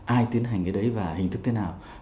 ai tiến hành cái đấy và hình thức thế nào